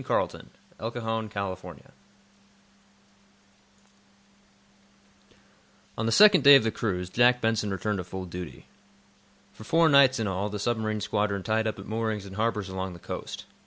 CHAPTER VI: TWO KINDS OF VOODOO On the second day of the cruise Jack Benson returned to full duty. For four nights, in all, the submarine squadron tied up at moorings in harbors along the coast.